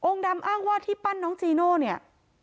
ดำอ้างว่าที่ปั้นน้องจีโน่เนี่ย